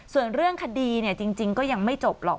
ส่วนเรื่องคดีจริงก็ยังไม่จบหรอก